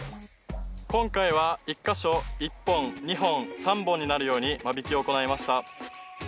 今回は１か所１本２本３本になるように間引きを行いました。